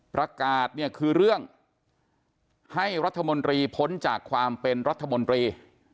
ประกาศเนี่ยคือเรื่องให้รัฐมนตรีพ้นจากความเป็นรัฐมนตรี